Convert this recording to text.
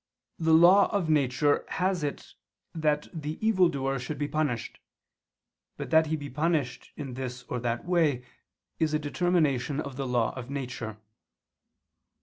the law of nature has it that the evil doer should be punished; but that he be punished in this or that way, is a determination of the law of nature.